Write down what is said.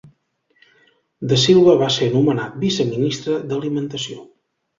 De Silva va ser nomenat viceministre d'alimentació.